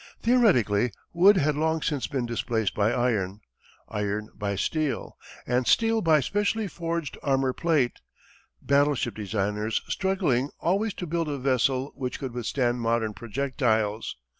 Theoretically, wood had long since been displaced by iron, iron by steel, and steel by specially forged armor plate, battleship designers struggling always to build a vessel which could withstand modern projectiles.